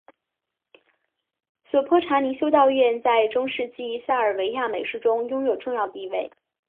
索泼查尼修道院在中世纪塞尔维亚美术中拥有重要地位。